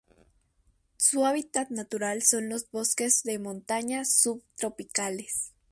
Su hábitat natural son los bosques de montaña subtropicales.